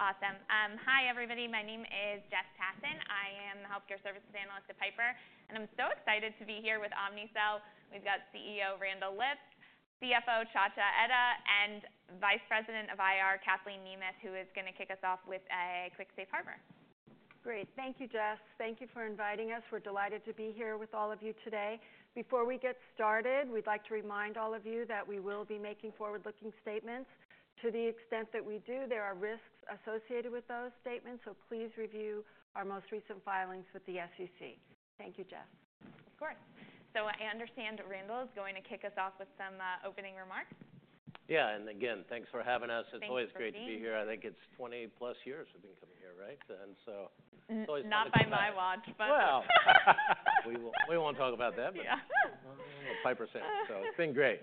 Awesome. Hi, everybody. My name is Jess Tassan. I am the Healthcare Services Analyst at Piper, and I'm so excited to be here with Omnicell. We've got CEO Randall Lipps, CFO Nchacha Etta, and Vice President of IR Kathleen Nemeth, who is going to kick us off with a quick safe harbor. Great. Thank you, Jess. Thank you for inviting us. We're delighted to be here with all of you today. Before we get started, we'd like to remind all of you that we will be making forward-looking statements. To the extent that we do, there are risks associated with those statements, so please review our most recent filings with the SEC. Thank you, Jess. Of course. So I understand Randall is going to kick us off with some opening remarks. Yeah. And again, thanks for having us. It's always great to be here. I think it's 20-plus years we've been coming here, right? And so it's always great to be here. Not by my watch, but. We won't talk about that, but Piper's here, so it's been great.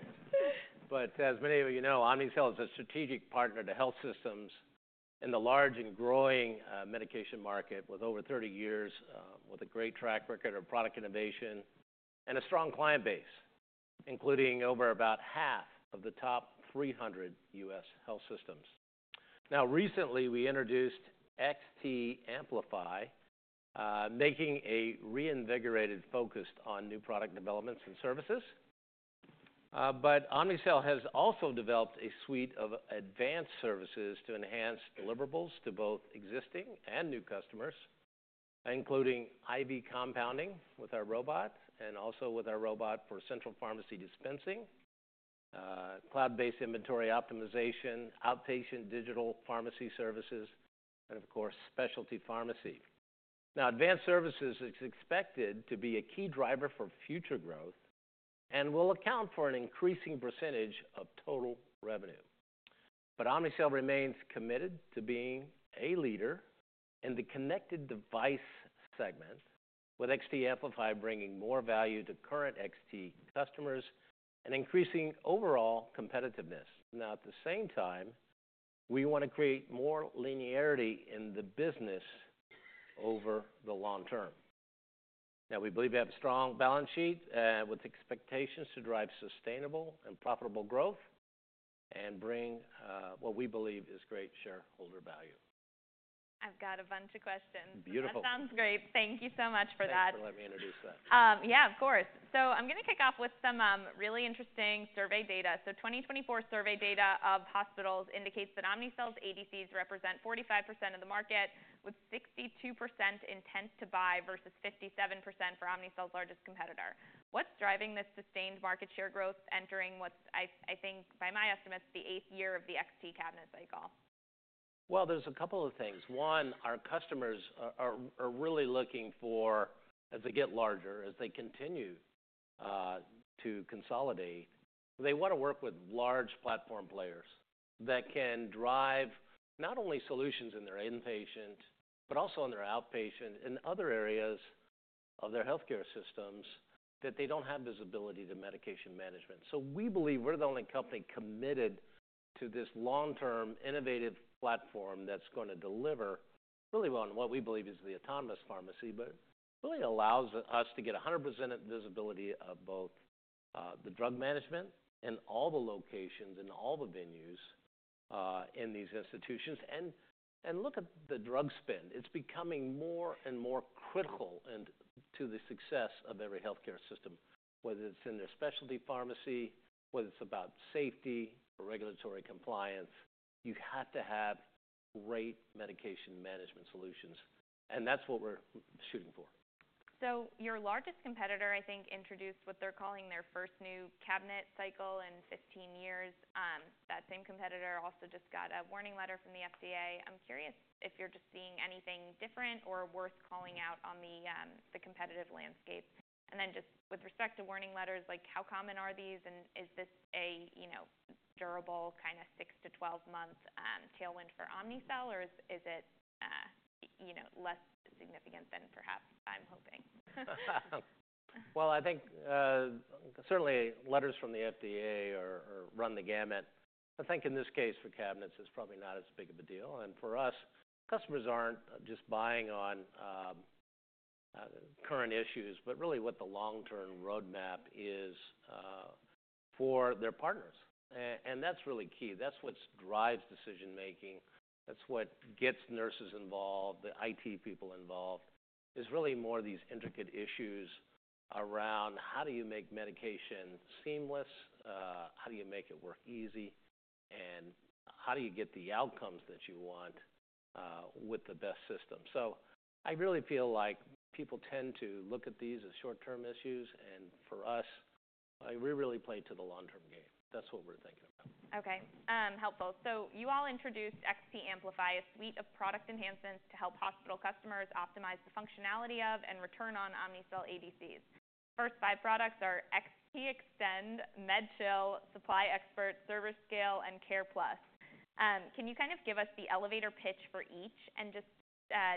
As many of you know, Omnicell is a strategic partner to health systems in the large and growing medication market with over 30 years with a great track record of product innovation and a strong client base, including over about half of the top 300 U.S. health systems. Now, recently, we introduced XT Amplify, making a reinvigorated focus on new product developments and services. Omnicell has also developed a suite of advanced services to enhance deliverables to both existing and new customers, including IV compounding with our robot and also with our robot for central pharmacy dispensing, cloud-based inventory optimization, outpatient digital pharmacy services, and, of course, specialty pharmacy. Now, advanced services is expected to be a key driver for future growth and will account for an increasing percentage of total revenue. But Omnicell remains committed to being a leader in the connected device segment, with XT Amplify bringing more value to current XT customers and increasing overall competitiveness. Now, at the same time, we want to create more linearity in the business over the long term. Now, we believe we have a strong balance sheet with expectations to drive sustainable and profitable growth and bring what we believe is great shareholder value. I've got a bunch of questions. Beautiful. That sounds great. Thank you so much for that. Thanks for letting me introduce that. Yeah, of course. So I'm going to kick off with some really interesting survey data. So 2024 survey data of hospitals indicates that Omnicell's ADCs represent 45% of the market, with 62% intent to buy versus 57% for Omnicell's largest competitor. What's driving this sustained market share growth entering, I think, by my estimates, the eighth year of the XT cabinet cycle? There's a couple of things. One, our customers are really looking for, as they get larger, as they continue to consolidate, they want to work with large platform players that can drive not only solutions in their inpatient, but also in their outpatient and other areas of their healthcare systems that they don't have visibility to medication management, so we believe we're the only company committed to this long-term innovative platform that's going to deliver really well in what we believe is the autonomous pharmacy, but really allows us to get 100% visibility of both the drug management and all the locations and all the venues in these institutions, and look at the drug spend. It's becoming more and more critical to the success of every healthcare system, whether it's in their specialty pharmacy, whether it's about safety or regulatory compliance. You have to have great medication management solutions, and that's what we're shooting for. So your largest competitor, I think, introduced what they're calling their first new cabinet cycle in 15 years. That same competitor also just got a warning letter from the FDA. I'm curious if you're just seeing anything different or worth calling out on the competitive landscape? And then just with respect to warning letters, how common are these? And is this a durable kind of 6-12-month tailwind for Omnicell, or is it less significant than perhaps I'm hoping? I think certainly letters from the FDA run the gamut. I think in this case, for cabinets, it's probably not as big of a deal. For us, customers aren't just buying on current issues, but really what the long-term roadmap is for their partners. That's really key. That's what drives decision-making. That's what gets nurses involved, the IT people involved, is really more of these intricate issues around how do you make medication seamless, how do you make it work easy, and how do you get the outcomes that you want with the best system? I really feel like people tend to look at these as short-term issues. For us, we really play to the long-term game. That's what we're thinking about. Okay. Helpful. So you all introduced XT Amplify, a suite of product enhancements to help hospital customers optimize the functionality of and return on Omnicell ADCs. The first five products are XT Extend, MedChill, SupplyXpert, ServerScale, and CarePlus. Can you kind of give us the elevator pitch for each and just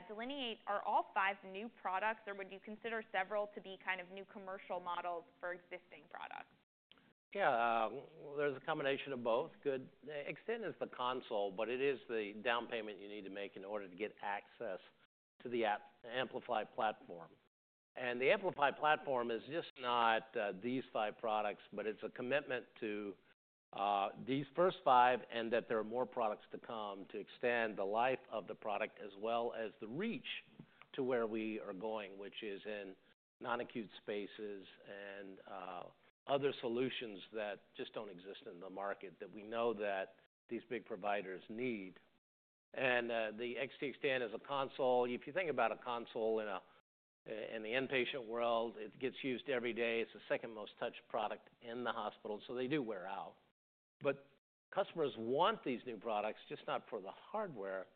delineate, are all five new products, or would you consider several to be kind of new commercial models for existing products? Yeah. There's a combination of both. Good. XT Extend is the console, but it is the down payment you need to make in order to get access to the XT Amplify platform. And the XT Amplify platform is just not these five products, but it's a commitment to these first five and that there are more products to come to extend the life of the product as well as the reach to where we are going, which is in non-acute spaces and other solutions that just don't exist in the market that we know that these big providers need. And the XT Extend is a console. If you think about a console in the inpatient world, it gets used every day. It's the second most touched product in the hospital, so they do wear out. But customers want these new products just not for the hardware,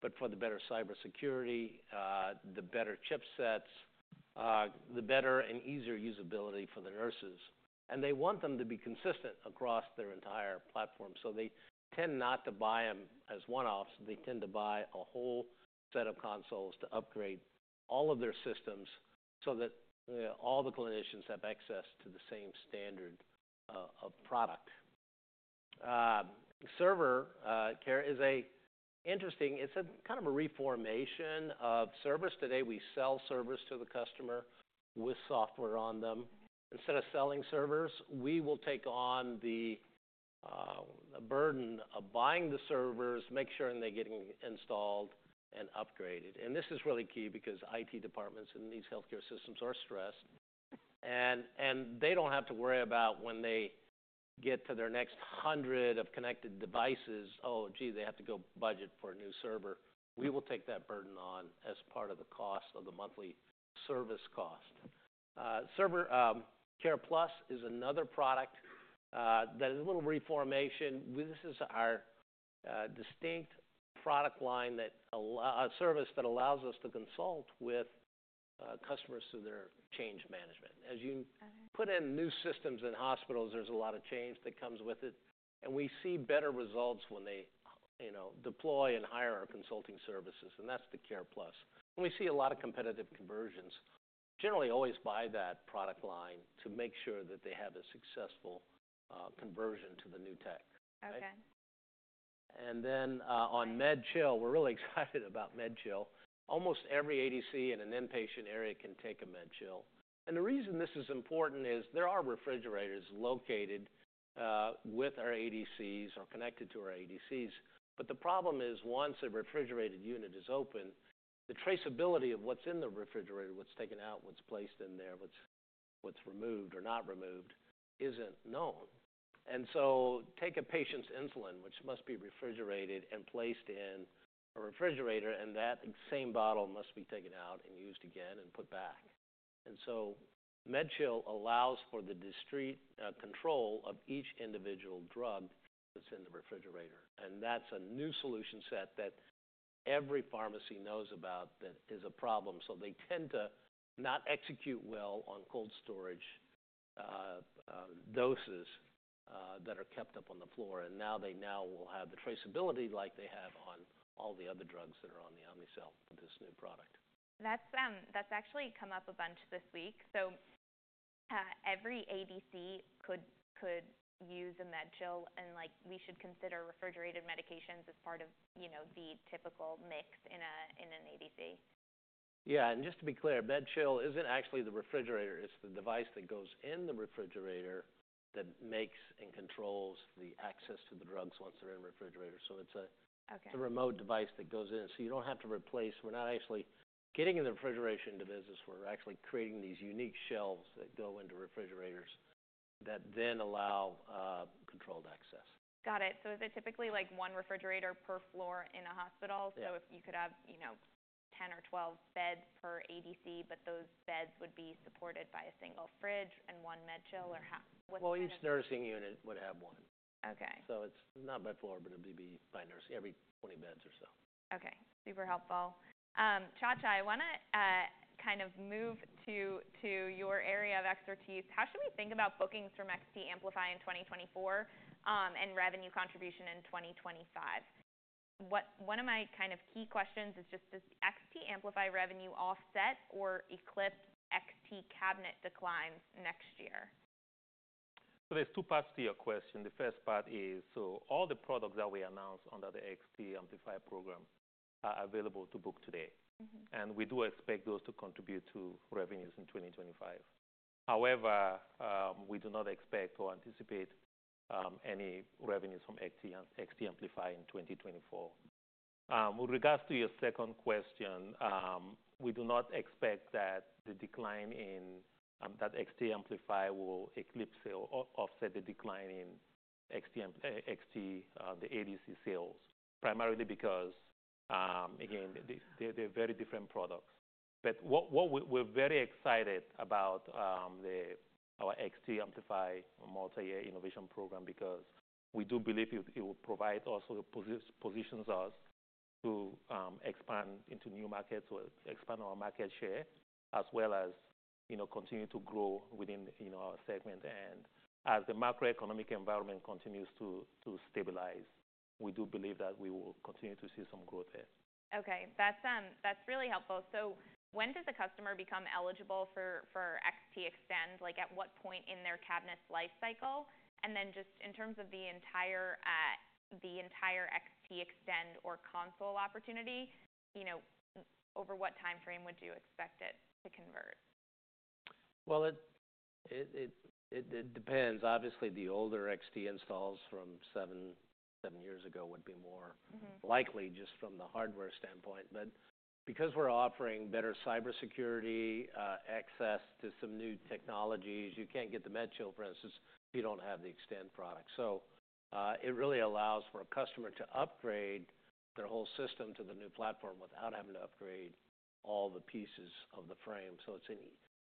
but for the better cybersecurity, the better chipsets, the better and easier usability for the nurses. And they want them to be consistent across their entire platform. So they tend not to buy them as one-offs. They tend to buy a whole set of consoles to upgrade all of their systems so that all the clinicians have access to the same standard of product. ServerScale is interesting. It's kind of a reformation of servers. Today, we sell servers to the customer with software on them. Instead of selling servers, we will take on the burden of buying the servers, making sure they're getting installed and upgraded. And this is really key because IT departments in these healthcare systems are stressed, and they don't have to worry about when they get to their next hundred of connected devices, "Oh, gee, they have to go budget for a new server." We will take that burden on as part of the cost of the monthly service cost. Server - CarePlus is another product that is a little reformation. This is our distinct product line that allows us to consult with customers through their change management. As you put in new systems in hospitals, there's a lot of change that comes with it. And we see better results when they deploy and hire our consulting services, and that's the CarePlus. And we see a lot of competitive conversions. Generally, always buy that product line to make sure that they have a successful conversion to the new tech. Okay. And then on MedChill, we're really excited about MedChill. Almost every ADC in an inpatient area can take a MedChill. And the reason this is important is there are refrigerators located with our ADCs or connected to our ADCs. But the problem is once a refrigerated unit is open, the traceability of what's in the refrigerator, what's taken out, what's placed in there, what's removed or not removed isn't known. And so take a patient's insulin, which must be refrigerated and placed in a refrigerator, and that same bottle must be taken out and used again and put back. And so MedChill allows for the discrete control of each individual drug that's in the refrigerator. And that's a new solution set that every pharmacy knows about that is a problem. So they tend to not execute well on cold storage doses that are kept up on the floor. Now they will have the traceability like they have on all the other drugs that are on the Omnicell with this new product. That's actually come up a bunch this week. So every ADC could use a MedChill, and we should consider refrigerated medications as part of the typical mix in an ADC. Yeah. And just to be clear, MedChill isn't actually the refrigerator. It's the device that goes in the refrigerator that makes and controls the access to the drugs once they're in the refrigerator. So it's a remote device that goes in. So you don't have to replace. We're not actually getting into the refrigeration business. We're actually creating these unique shelves that go into refrigerators that then allow controlled access. Got it. So is it typically like one refrigerator per floor in a hospital? So if you could have 10 or 12 beds per ADC, but those beds would be supported by a single fridge and one MedChill, or what's the? Each nursing unit would have one. Okay. So it's not by floor, but it'd be by nursing every 20 beds or so. Okay. Super helpful. Nchacha, I want to kind of move to your area of expertise. How should we think about bookings from XT Amplify in 2024 and revenue contribution in 2025? One of my kind of key questions is just does XT Amplify revenue offset or Eclipse XT cabinet declines next year? There’s two parts to your question. The first part is, so all the products that we announced under the XT Amplify program are available to book today. We do expect those to contribute to revenues in 2025. However, we do not expect or anticipate any revenues from XT Amplify in 2024. With regards to your second question, we do not expect that the decline in that XT Amplify will eclipse or offset the decline in the ADC sales, primarily because, again, they’re very different products. We’re very excited about our XT Amplify multi-year innovation program because we do believe it will provide us or positions us to expand into new markets or expand our market share as well as continue to grow within our segment. As the macroeconomic environment continues to stabilize, we do believe that we will continue to see some growth there. Okay. That's really helpful. So when does a customer become eligible for XT Extend? At what point in their cabinet's lifecycle? And then just in terms of the entire XT Extend or console opportunity, over what timeframe would you expect it to convert? It depends. Obviously, the older XT installs from seven years ago would be more likely just from the hardware standpoint. Because we're offering better cybersecurity, access to some new technologies, you can't get the MedChill, for instance, if you don't have the Extend product. It really allows for a customer to upgrade their whole system to the new platform without having to upgrade all the pieces of the frame.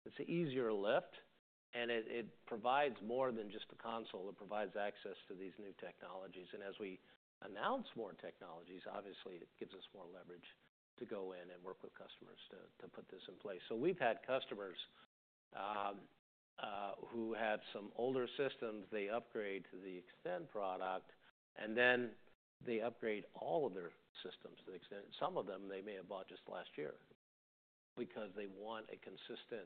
It's an easier lift, and it provides more than just the console. It provides access to these new technologies. As we announce more technologies, obviously, it gives us more leverage to go in and work with customers to put this in place. We've had customers who have some older systems. They upgrade to the Extend product, and then they upgrade all of their systems to the Extend. Some of them, they may have bought just last year because they want a consistent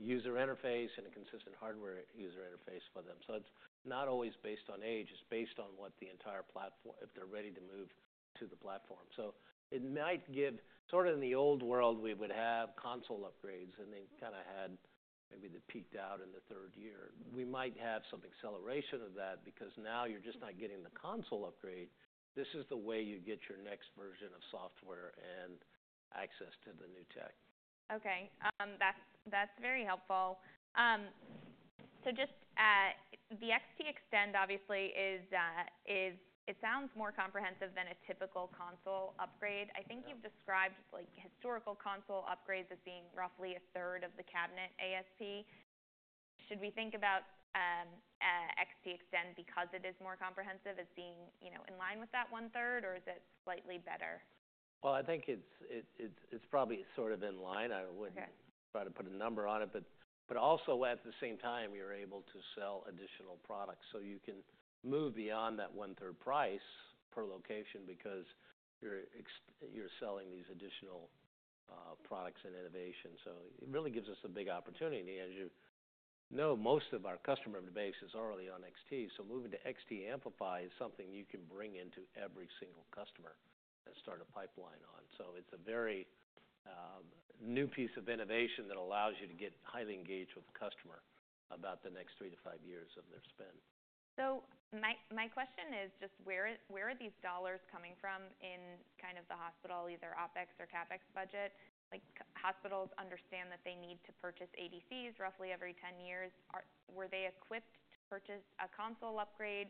user interface and a consistent hardware user interface for them. So it's not always based on age. It's based on what the entire platform, if they're ready to move to the platform. So it might give sort of in the old world, we would have console upgrades, and they kind of had maybe they peaked out in the third year. We might have some acceleration of that because now you're just not getting the console upgrade. This is the way you get your next version of software and access to the new tech. Okay. That's very helpful. So just the XT Extend, obviously, it sounds more comprehensive than a typical console upgrade. I think you've described historical console upgrades as being roughly a third of the cabinet ASP. Should we think about XT Extend because it is more comprehensive as being in line with that one-third, or is it slightly better? I think it's probably sort of in line. I wouldn't try to put a number on it. Also at the same time, you're able to sell additional products. You can move beyond that 1/3 price per location because you're selling these additional products and innovations. It really gives us a big opportunity. As you know, most of our customer base is already on XT. Moving to XT Amplify is something you can bring into every single customer and start a pipeline on. It's a very new piece of innovation that allows you to get highly engaged with the customer about the next three-to-five years of their spend. My question is just where are these dollars coming from in kind of the hospital, either OpEx or CapEx budget? Hospitals understand that they need to purchase ADCs roughly every 10 years. Were they equipped to purchase a console upgrade?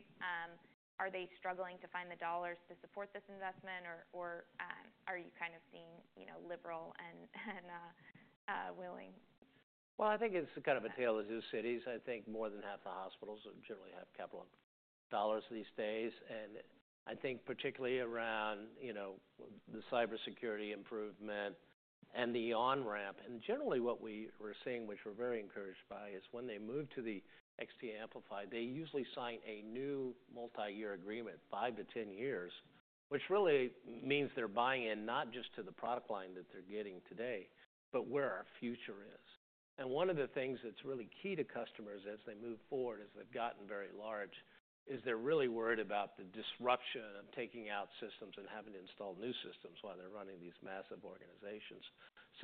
Are they struggling to find the dollars to support this investment, or are you kind of seeing liberal and willing? I think it's kind of a tale of two cities. I think more than half the hospitals generally have capital dollars these days. I think particularly around the cybersecurity improvement and the on-ramp. Generally, what we were seeing, which we're very encouraged by, is when they move to the XT Amplify, they usually sign a new multi-year agreement, five to 10 years, which really means they're buying in not just to the product line that they're getting today, but where our future is. One of the things that's really key to customers as they move forward, as they've gotten very large, is they're really worried about the disruption of taking out systems and having to install new systems while they're running these massive organizations.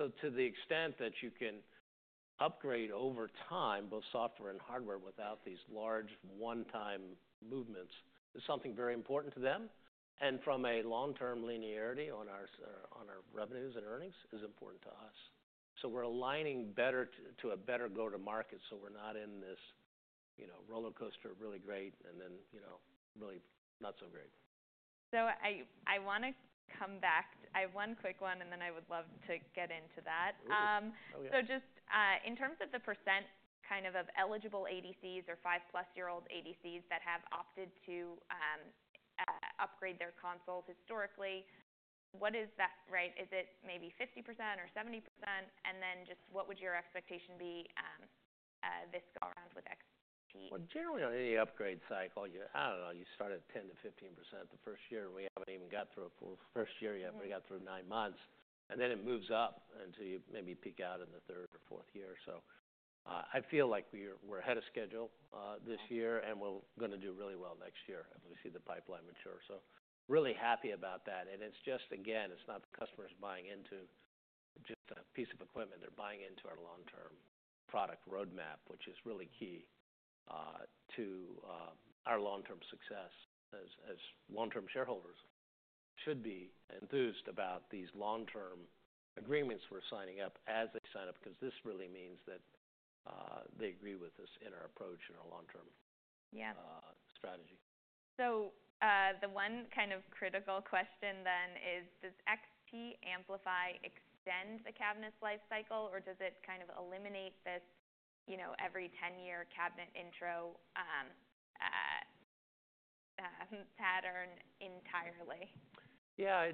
So to the extent that you can upgrade over time, both software and hardware without these large one-time movements is something very important to them. And from a long-term linearity on our revenues and earnings is important to us. So we're aligning better to a better go-to-market so we're not in this roller coaster, really great, and then really not so great. So I want to come back. I have one quick one, and then I would love to get into that. So just in terms of the % kind of of eligible ADCs or five-plus-year-old ADCs that have opted to upgrade their consoles historically, what is that? Is it maybe 50% or 70%? And then just what would your expectation be this go-around with XT? Generally, on any upgrade cycle, I don't know, you start at 10%-15% the first year. We haven't even got through a full first year yet. We got through nine months. It moves up until you maybe peak out in the third or fourth year. I feel like we're ahead of schedule this year, and we're going to do really well next year as we see the pipeline mature. Really happy about that. It's just, again, it's not the customers buying into just a piece of equipment. They're buying into our long-term product roadmap, which is really key to our long-term success as long-term shareholders should be enthused about these long-term agreements we're signing up as they sign up because this really means that they agree with us in our approach and our long-term strategy. Yeah. So the one kind of critical question then is, does XT Amplify extend the cabinet's lifecycle, or does it kind of eliminate this every 10-year cabinet intro pattern entirely? Yeah.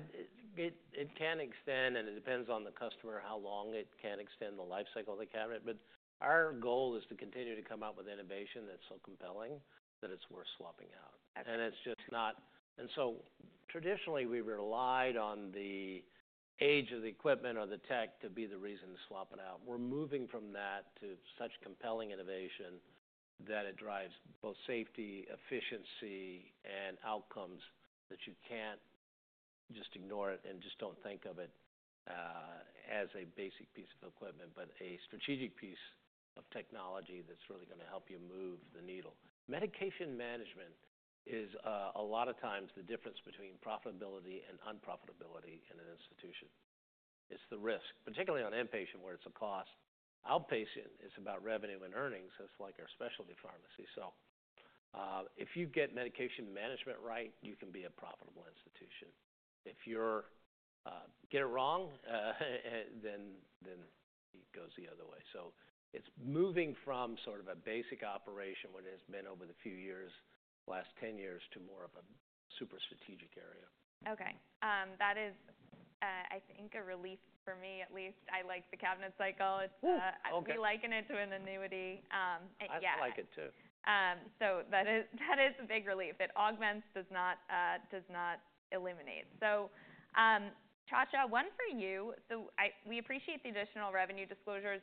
It can extend, and it depends on the customer how long it can extend the lifecycle of the cabinet. But our goal is to continue to come up with innovation that's so compelling that it's worth swapping out. And it's just not. And so traditionally, we relied on the age of the equipment or the tech to be the reason to swap it out. We're moving from that to such compelling innovation that it drives both safety, efficiency, and outcomes that you can't just ignore it and just don't think of it as a basic piece of equipment, but a strategic piece of technology that's really going to help you move the needle. Medication management is a lot of times the difference between profitability and unprofitability in an institution. It's the risk, particularly on inpatient where it's a cost. Outpatient is about revenue and earnings. It's like our specialty pharmacy, so if you get medication management right, you can be a profitable institution. If you get it wrong, then it goes the other way, so it's moving from sort of a basic operation what it has been over the few years, last 10 years, to more of a super strategic area. Okay. That is, I think, a relief for me at least. I like the cabinet cycle. I'd be likening it to an annuity. Yeah. I like it too. So that is a big relief. It augments, does not eliminate. So Nchacha, one for you. So we appreciate the additional revenue disclosures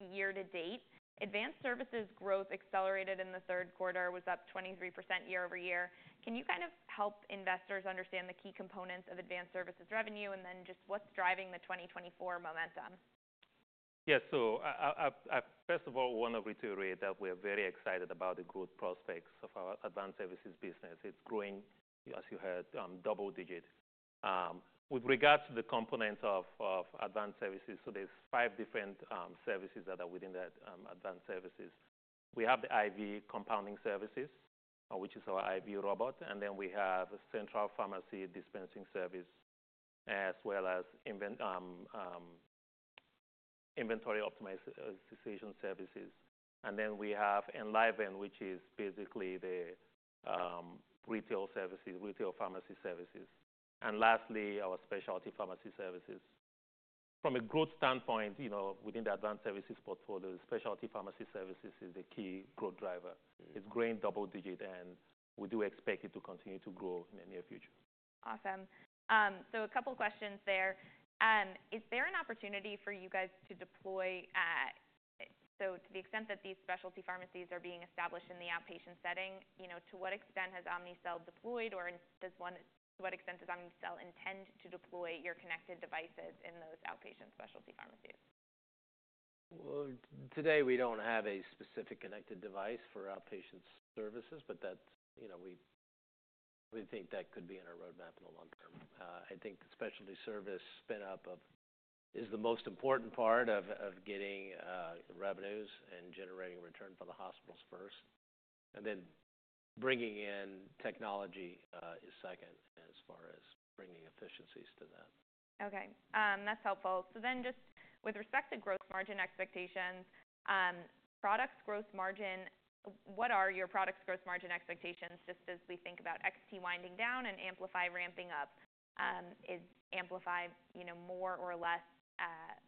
year to date. Advanced Services growth accelerated in the Q3, was up 23% year-over-year. Can you kind of help investors understand the key components of Advanced Services revenue and then just what's driving the 2024 momentum? Yeah, so first of all, I want to reiterate that we are very excited about the growth prospects of our advanced services business. It's growing, as you heard, double-digit. With regards to the components of advanced services, so there's five different services that are within that advanced services. We have the IV compounding services, which is our IV robot. And then we have a central pharmacy dispensing service as well as inventory optimization services. And then we have Enliven, which is basically the retail services, retail pharmacy services. And lastly, our specialty pharmacy services. From a growth standpoint, within the advanced services portfolio, specialty pharmacy services is the key growth driver. It's growing double-digit, and we do expect it to continue to grow in the near future. Awesome. So a couple of questions there. Is there an opportunity for you guys to deploy? So to the extent that these specialty pharmacies are being established in the outpatient setting, to what extent has Omnicell deployed, or to what extent does Omnicell intend to deploy your connected devices in those outpatient specialty pharmacies? Today we don't have a specific connected device for outpatient services, but we think that could be in our roadmap in the long term. I think the specialty service spin-up is the most important part of getting revenues and generating return for the hospitals first. Then bringing in technology is second as far as bringing efficiencies to that. Okay. That's helpful. So then just with respect to gross margin expectations, product's gross margin, what are your product's gross margin expectations just as we think about XT winding down and Amplify ramping up? Is Amplify more or less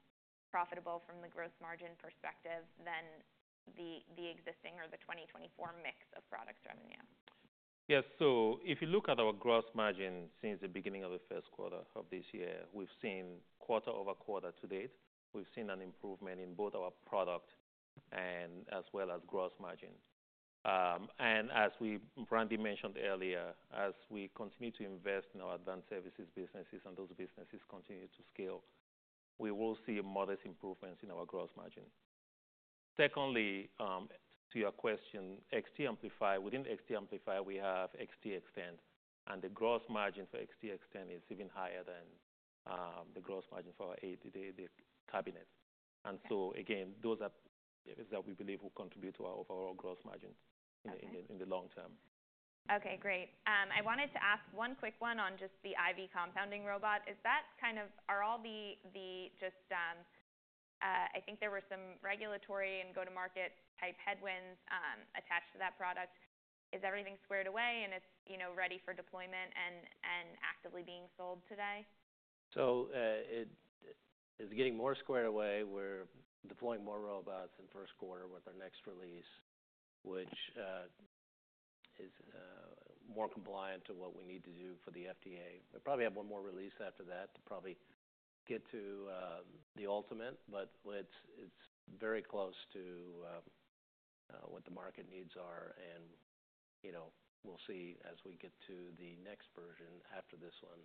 profitable from the gross margin perspective than the existing or the 2024 mix of product revenue? Yeah. So if you look at our gross margin since the beginning of the Q1 of this year, we've seen quarter-over-quarter to date. We've seen an improvement in both our product and as well as gross margin. And as Randy mentioned earlier, as we continue to invest in our advanced services businesses and those businesses continue to scale, we will see modest improvements in our gross margin. Secondly, to your question, within XT Amplify, we have XT Extend, and the gross margin for XT Extend is even higher than the gross margin for the cabinet. And so again, those are areas that we believe will contribute to our overall gross margin in the long term. Okay. Great. I wanted to ask one quick one on just the IV compounding robot. I think there were some regulatory and go-to-market type headwinds attached to that product. Is everything squared away and it's ready for deployment and actively being sold today? It's getting more squared away. We're deploying more robots in first quarter with our next release, which is more compliant to what we need to do for the FDA. We probably have one more release after that to probably get to the ultimate, but it's very close to what the market needs are. We'll see as we get to the next version after this one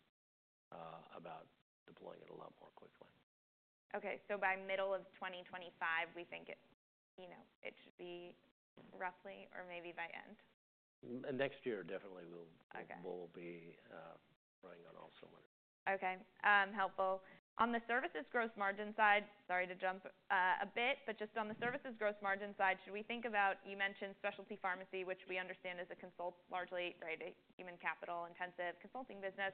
about deploying it a lot more quickly. Okay. So by middle of 2025, we think it should be roughly or maybe by end? Next year, definitely we'll be running on all somewhere. Okay. Helpful. On the services gross margin side, sorry to jump a bit, but just on the services gross margin side, should we think about you mentioned specialty pharmacy, which we understand is a largely human capital-intensive consulting business,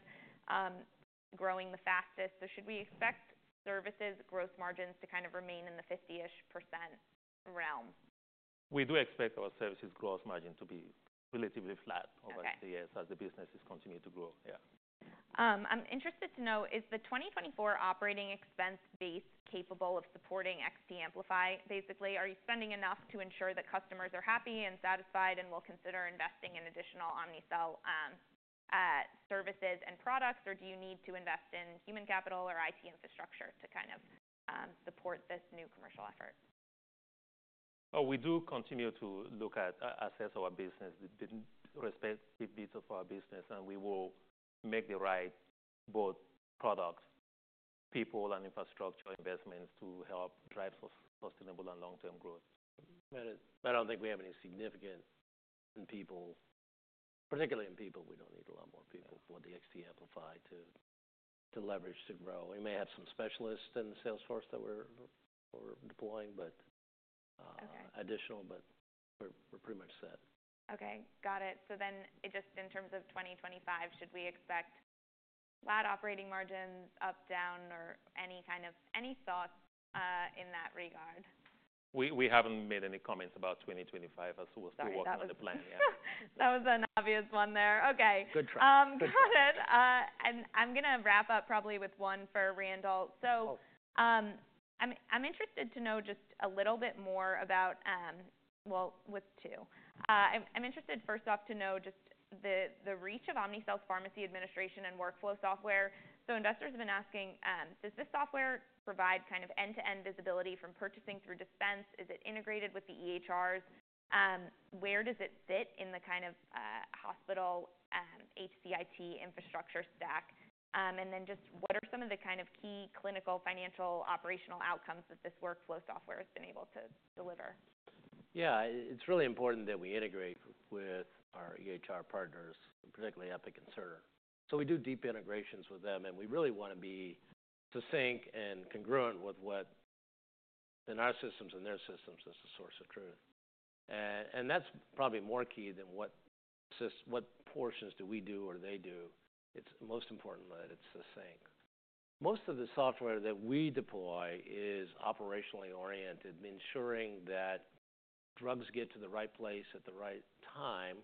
growing the fastest? So should we expect services gross margins to kind of remain in the 50-ish% realm? We do expect our services gross margin to be relatively flat over the years as the businesses continue to grow. Yeah. I'm interested to know, is the 2024 operating expense base capable of supporting XT Amplify? Basically, are you spending enough to ensure that customers are happy and satisfied and will consider investing in additional Omnicell services and products, or do you need to invest in human capital or IT infrastructure to kind of support this new commercial effort? We do continue to assess our business, the respective bits of our business, and we will make the right both product, people, and infrastructure investments to help drive sustainable and long-term growth. I don't think we have any significant people. Particularly in people, we don't need a lot more people for the XT Amplify to leverage to grow. We may have some specialists in sales force that we're deploying, but we're pretty much set. Okay. Got it. So then just in terms of 2025, should we expect flat operating margins, up, down, or any kind of thoughts in that regard? We haven't made any comments about 2025 as to what's the plan. That was an obvious one there. Okay. Good try. Got it. And I'm going to wrap up probably with one for Randall. So I'm interested to know just a little bit more about, well, with two. I'm interested first off to know just the reach of Omnicell's pharmacy administration and workflow software. So investors have been asking, does this software provide kind of end-to-end visibility from purchasing through dispense? Is it integrated with the EHRs? Where does it fit in the kind of hospital HCIT infrastructure stack? And then just what are some of the kind of key clinical, financial, operational outcomes that this workflow software has been able to deliver? Yeah. It's really important that we integrate with our EHR partners, particularly Epic and Cerner. So we do deep integrations with them, and we really want to be succinct and congruent with what in our systems and their systems is the source of truth. And that's probably more key than what portions do we do or they do. It's most important that it's succinct. Most of the software that we deploy is operationally oriented, ensuring that drugs get to the right place at the right time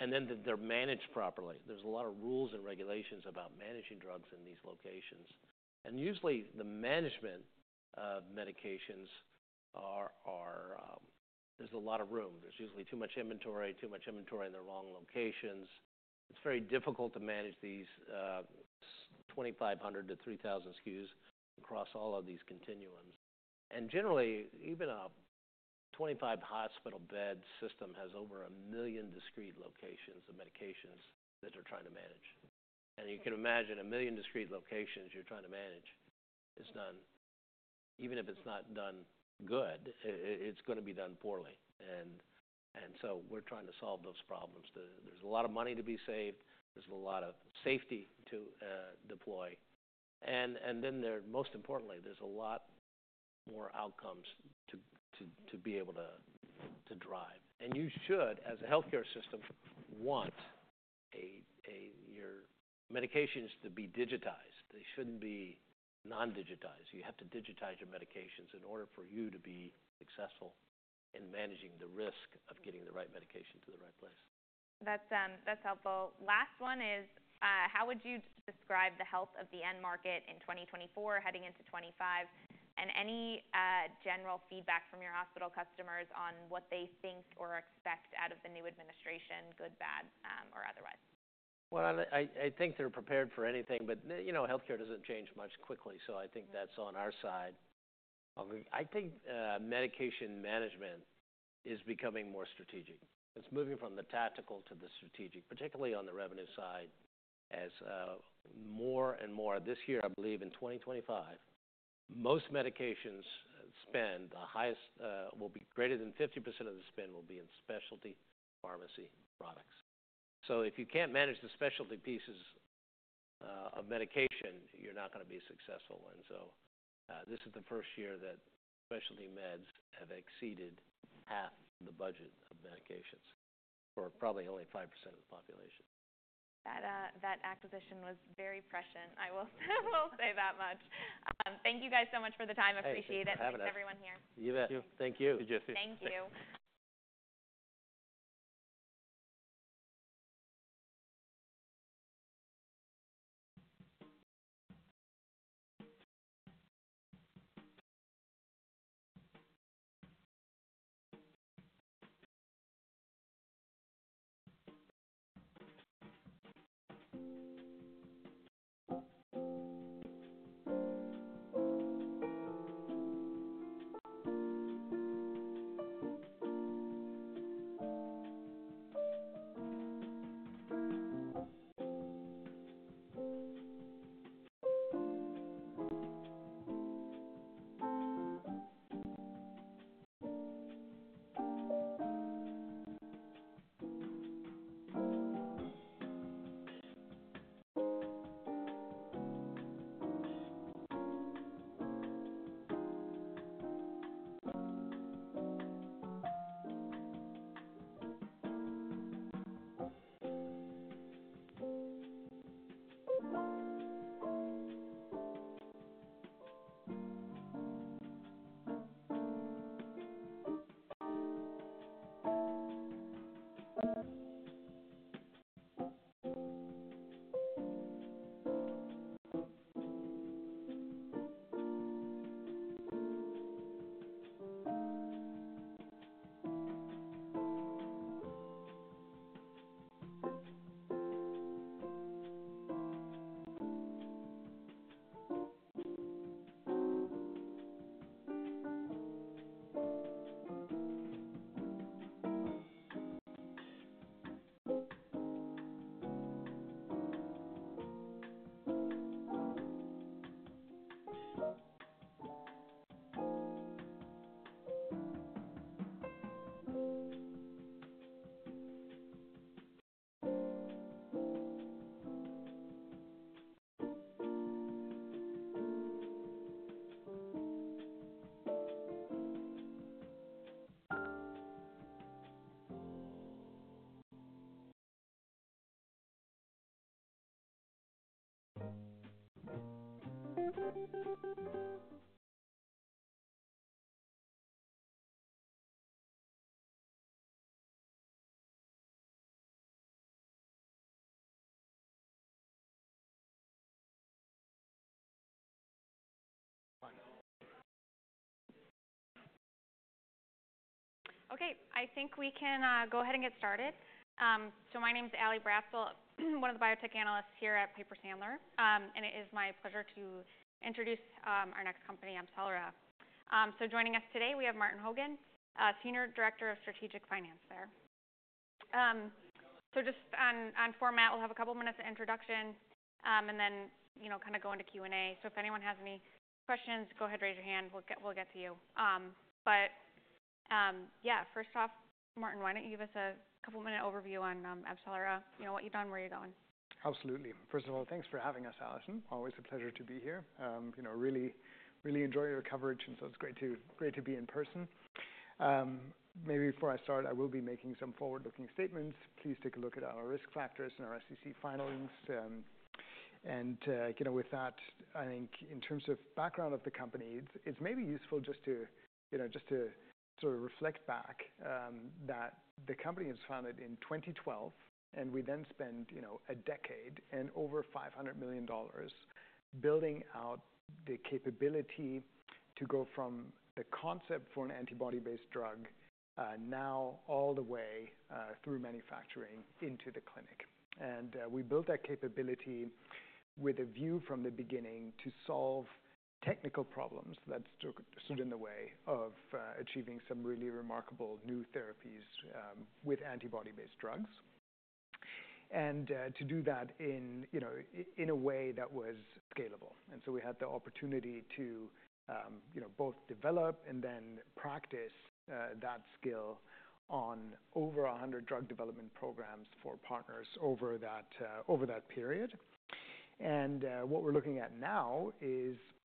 and then that they're managed properly. There's a lot of rules and regulations about managing drugs in these locations. And usually, the management of medications, there's a lot of room. There's usually too much inventory, too much inventory in the wrong locations. It's very difficult to manage these 2,500-3,000 SKUs across all of these continuums. Generally, even a 25-hospital-bed system has over a million discrete locations of medications that they're trying to manage. You can imagine a million discrete locations you're trying to manage is done. Even if it's not done good, it's going to be done poorly. So we're trying to solve those problems. There's a lot of money to be saved. There's a lot of safety to deploy. Then most importantly, there's a lot more outcomes to be able to drive. You should, as a healthcare system, want your medications to be digitized. They shouldn't be non-digitized. You have to digitize your medications in order for you to be successful in managing the risk of getting the right medication to the right place. That's helpful. Last one is, how would you describe the health of the end market in 2024 heading into 2025? And any general feedback from your hospital customers on what they think or expect out of the new administration, good, bad, or otherwise? I think they're prepared for anything, but healthcare doesn't change much quickly. I think that's on our side. I think medication management is becoming more strategic. It's moving from the tactical to the strategic, particularly on the revenue side as more and more this year, I believe in 2025, most medications will be greater than 50% of the spend will be in specialty pharmacy products. If you can't manage the specialty pieces of medication, you're not going to be successful. This is the first year that specialty meds have exceeded half the budget of medications for probably only 5% of the population. That acquisition was very prescient. I will say that much. Thank you guys so much for the time. I appreciate it. Have a good one. Everyone here. You bet. Thank you. Good to see you. Thank you. Okay. I think we can go ahead and get started. My name is Ally Bratzel, one of the biotech analysts here at Piper Sandler. It is my pleasure to introduce our next company, AbCellera. Joining us today, we have Martin Hogan, Senior Director of Strategic Finance there. Just on format, we'll have a couple of minutes of introduction and then kind of go into Q&A. If anyone has any questions, go ahead, raise your hand. We'll get to you. But yeah, first off, Martin, why don't you give us a couple of minutes overview on AbCellera, what you've done, where you're going? Absolutely. First of all, thanks for having us, Ally. Always a pleasure to be here. Really enjoy your coverage, and so it's great to be in person. Maybe before I start, I will be making some forward-looking statements. Please take a look at our risk factors and our SEC filings, and with that, I think in terms of background of the company, it's maybe useful just to sort of reflect back that the company was founded in 2012, and we then spent a decade and over $500 million. Building out the capability to go from the concept for an antibody-based drug now all the way through manufacturing into the clinic, and we built that capability with a view from the beginning to solve technical problems that stood in the way of achieving some really remarkable new therapies with antibody-based drugs and to do that in a way that was scalable. And so we had the opportunity to both develop and then practice that skill on over 100 drug development programs for partners over that period. And what we're looking at now is we.